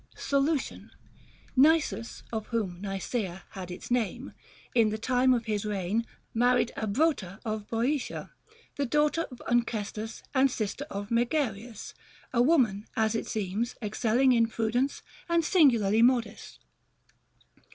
Solution. Nisus, of whom Nisaea had its name, in the time of his reign married Abrota of Boeotia, the daughter of Onchestus and sister of Megareus, a woman (as it seems) excelling in prudence and singularly modest.